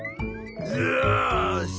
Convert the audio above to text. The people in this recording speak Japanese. よし！